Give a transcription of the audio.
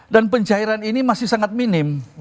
dan pencairan ini masih sangat minim